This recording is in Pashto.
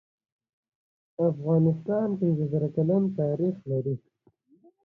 هو، ګړندی ټایپ کوم